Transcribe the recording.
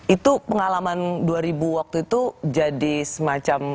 itu pengalaman dua ribu waktu itu jadi semacam